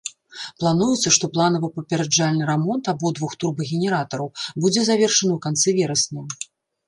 Плануецца, што планава-папераджальны рамонт абодвух турбагенератараў будзе завершаны ў канцы верасня.